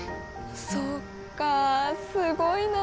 そっかすごいな。